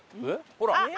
ほら。